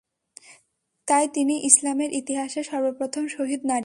তাই তিনি ইসলামের ইতিহাসে সর্ব প্রথম শহীদ নারী।